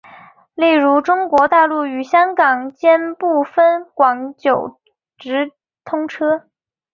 例如中国大陆与香港间部分广九直通车。